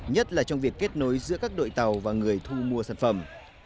nhất là trong việc kết nối giữa các đội tàu và người thu mua sản phẩm